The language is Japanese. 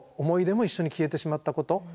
思い出も一緒に消えてしまったこと。